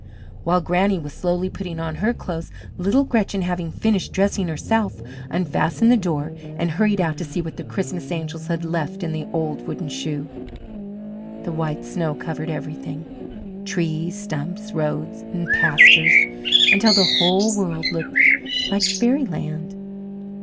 While Granny was slowly putting on her clothes, little Gretchen, having finished dressing herself, unfastened the door and hurried out to see what the Christmas angels had left in the old wooden shoe. The white snow covered everything trees, stumps, roads, and pastures until the whole world looked like fairyland.